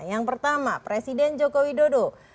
yang pertama presiden joko widodo